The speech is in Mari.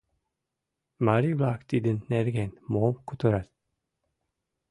Марий-влак тидын нерген мом кутырат?